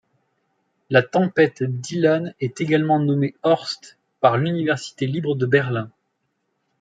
La tempête Dylan est également nommée Horst par l'université libre de Berlin.